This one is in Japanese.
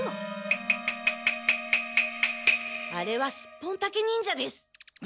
あれはスッポンタケ忍者です。